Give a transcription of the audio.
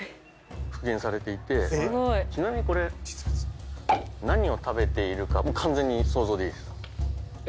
ちなみにこれ何を食べているか完全に想像でいいです。